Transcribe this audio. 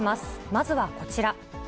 まずはこちら。